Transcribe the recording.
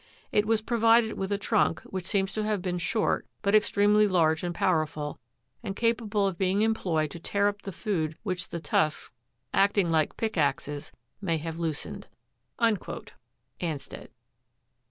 It was provided with a trunk, which seems to have been short, but extremely large and powerful, and capable of being employed to tear up the food which the tusks, acting' like pick axes, may have loosened." Ansted.